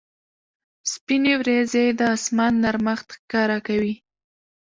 سپینې ورېځې د اسمان نرمښت ښکاره کوي.